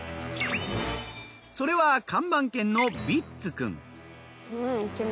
それは看板犬のヴィッツくん。